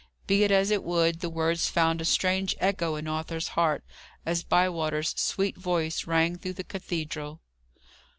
Be it as it would, the words found a strange echo in Arthur's heart, as Bywater's sweet voice rang through the cathedral.